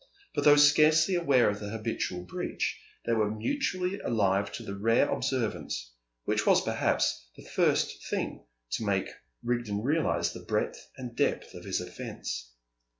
But though scarcely aware of the habitual breach, they were mutually alive to the rare observance, which was perhaps the first thing to make Rigden realise the breadth and depth of his offence.